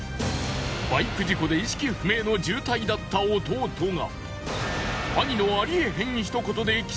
バイク事故で意識不明の重体だった弟が。